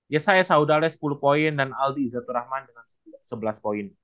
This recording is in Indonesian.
yesaya saudales sepuluh poin dan aldi izatur rahman dengan sebelas poin